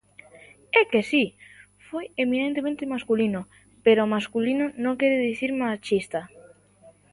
É que si, foi eminentemente masculino; pero masculino non quere dicir machista.